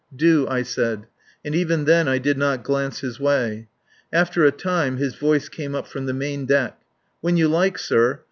Do," I said. And even then I did not glance his way. After a time his voice came up from the main deck. "When you like, sir.